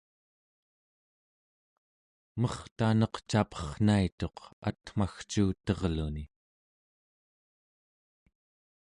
mertaneq caperrnaituq atmagcuuterluni